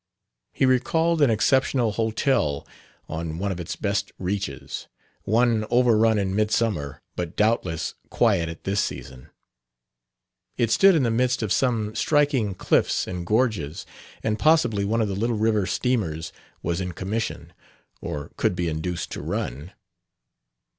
He recalled an exceptional hotel on one of its best reaches; one overrun in midsummer, but doubtless quiet at this season. It stood in the midst of some striking cliffs and gorges; and possibly one of the little river steamers was in commission, or could be induced to run....